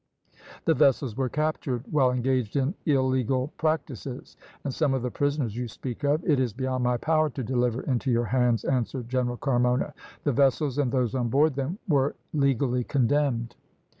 "The vessels were captured while engaged in illegal practices, and some of the prisoners you speak of it is beyond my power to deliver into your hands," answered General Carmona; "the vessels and those on board them were legally condemned."